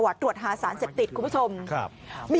กลุ่มหนึ่งก็คือ